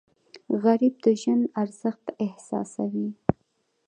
غریب د ژوند ارزښت احساسوي